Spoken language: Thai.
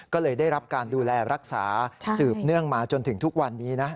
ก็เลยได้รับการดูแลรักษาสืบเนื่องมาจนถึงทุกวันนี้นะ